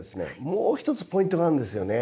もう一つポイントがあるんですよね。